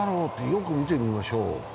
よく見てみましょう。